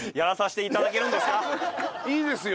いいですよ